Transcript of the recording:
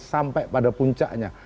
sampai pada puncaknya